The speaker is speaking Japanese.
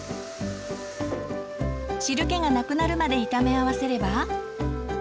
汁けがなくなるまで炒め合わせれば。